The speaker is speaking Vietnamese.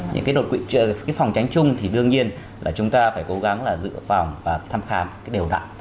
những cái đột quỵ cái phòng tránh chung thì đương nhiên là chúng ta phải cố gắng là giữ phòng và thăm khám đều đặn